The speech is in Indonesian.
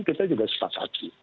kita juga setakat